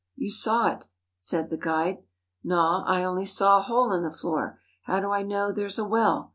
"You saw it," said the guide. "Naw, I only saw a hole in the floor. How do I know there's a well?